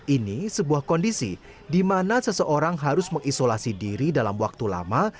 ini sebuah kondisi di mana seseorang harus mengisolasi diri dalam waktu lama